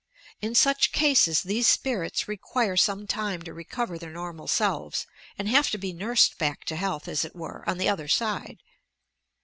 In such cases these spirits require some time to recover their normal selves, and have to be nursed back to health, as it were, on the other side.